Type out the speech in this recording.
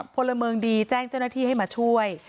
พลเมืองดีแจ้งเจ้าหน้าที่ให้มาช่วย